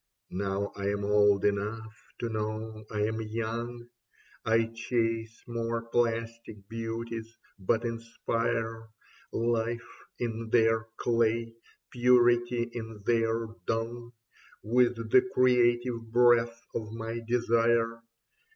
Now I am old enough to know I am young, I chase more plastic beauties, but inspire Life in their clay, purity in their dung With the creative breath of my desire.